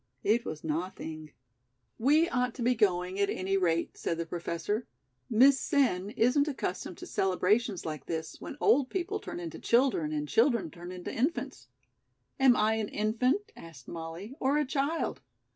It was notheeng." "We ought to be going, at any rate," said the Professor. "Miss Sen isn't accustomed to celebrations like this when old people turn into children and children turn into infants." "Am I an infant?" asked Molly, "or a child?"